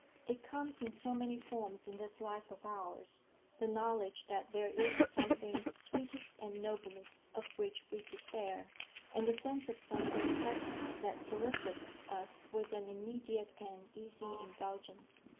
It comes in so many forms in this life of ours the knowledge that there is something sweetest and noblest of which we despair, and the sense of something present that solicits us with an immediate and easy indulgence.